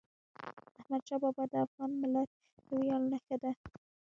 احمدشاه بابا د افغان ملت د ویاړ نښه ده.